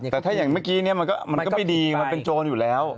แต่ถ้าอย่างเมื่อกี้มันก็ไม่ดีมันเป็นโจรอยู่แล้ว